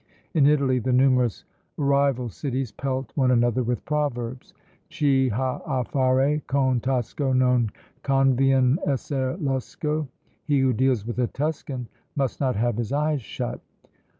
In Italy the numerous rival cities pelt one another with proverbs: Chi ha a fare con Tosco non convien esser losco, "He who deals with a Tuscan must not have his eyes shut."